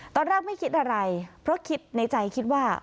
ตอนแรกไม่คิดอะไรเพราะคิดในใจคิดว่า